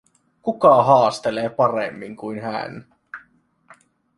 Kuka haastelee paremmin kuin hän?